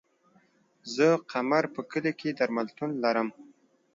زه قمر په کلي کی درملتون لرم